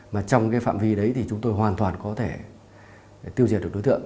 mà trong cái phạm vi đấy thì chúng tôi hoàn toàn có thể tiêu diệt được đối tượng